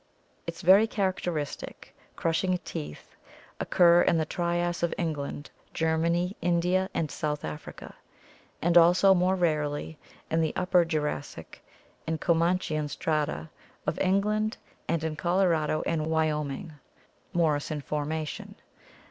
Its very characteristic crushing teeth occur in the Trias of England, Germany, India, and South Africa, and also, more rarely, in the Upper Jurassic and Comanchian strata of England and in Colo rado and Wyoming (Morrison formation).